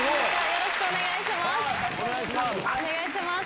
よろしくお願いします。